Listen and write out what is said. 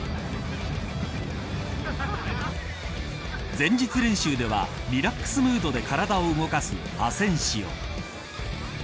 前日練習ではリラックスムードで体を動かす、アセンシオ。